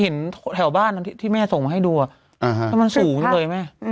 เห็นแถวบ้านที่แม่ส่งมาให้ดูแล้วมันสูงจังเลยแม่